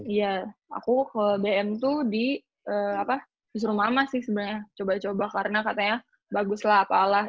iya aku ke bm tuh di apa disuruh mama sih sebenernya coba coba karena katanya baguslah apalah